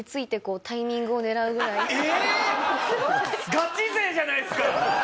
ガチ勢じゃないですか！